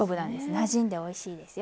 なじんでおいしいですよ。